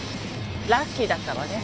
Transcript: ラッキーだったわね。